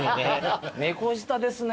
猫舌ですね。